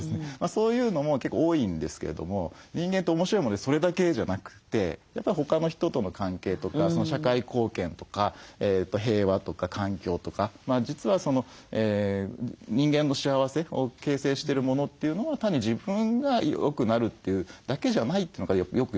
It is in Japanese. そういうのも結構多いんですけれども人間って面白いものでそれだけじゃなくてやっぱり他の人との関係とか社会貢献とか平和とか環境とか実は人間の幸せを形成してるものというのは単に自分がよくなるというだけじゃないというのがよく分かりましたね。